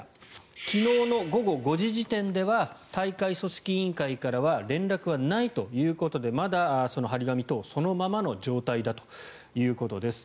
昨日の午後５時時点では大会組織委員会からは連絡はないということでまだ貼り紙等は、そのままの状態だということです。